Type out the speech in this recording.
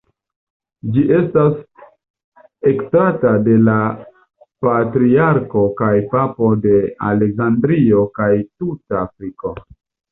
Ĝi estas estrata de la "Patriarko kaj Papo de Aleksandrio kaj tuta Afriko".